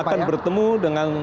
akan bertemu dengan